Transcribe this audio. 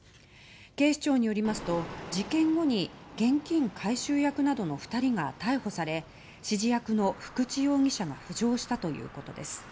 警視庁によりますと事件後に現金回収役などの２人が逮捕され指示役の福地容疑者が浮上したということです。